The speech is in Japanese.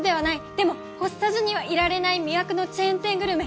でも欲さずにはいられない魅惑のチェーン店グルメ。